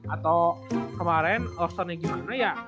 atau kemarin lorso nya gimana ya lu kasih tim bawah misalnya gitu ya